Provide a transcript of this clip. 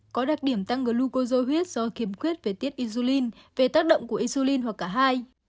có đặc điểm tăng glucozo huyết do kiểm quyết về tiết insulin về tác động của insulin hoặc cả hai